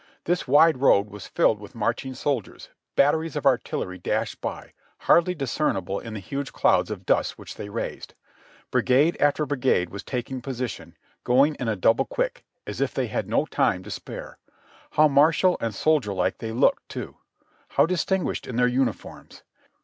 This wide road was filled with march ing soldiers, batteries of artillery dashed by, hardly discernible in the huge clouds of dust which they raised. Brigade after brigade was taking position, going in a double quick, as if they had no time to spare. How martial and soldier like they looked, too! How distinguished in their uniforms